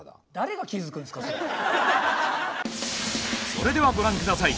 それではご覧下さい。